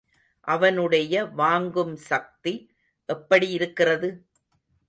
அவனுடைய வாங்கும் சக்தி எப்படி இருக்கிறது?